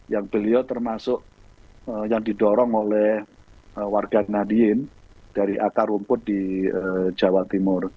yang beliau termasuk yang didorong oleh warga nadiin dari akar rumput di jawa timur